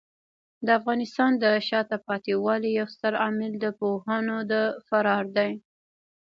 د افغانستان د شاته پاتې والي یو ستر عامل د پوهانو د فرار دی.